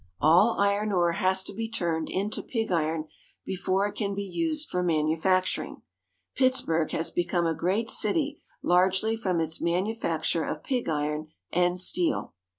All iron ore has to be turned into pig iron before it can be used for manufacturing. Pittsburg has become a great city largely from its manufacture of pig iron and steel.